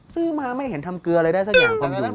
ซื้อมาไม่เห็นทำเกลือเลยได้สักอย่างความรู้